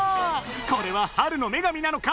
これは「春の女神」なのか？